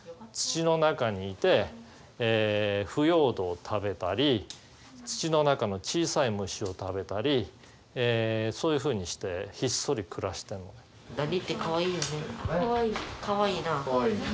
土の中にいて腐葉土を食べたり土の中の小さい虫を食べたりそういうふうにしてひっそり暮らしてんのね。